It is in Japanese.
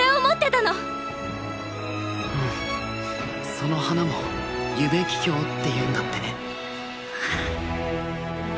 その花もユメキキョウって言うんだってね。